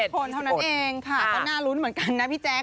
คนเท่านั้นเองค่ะก็น่ารุ้นเหมือนกันนะพี่แจ๊ค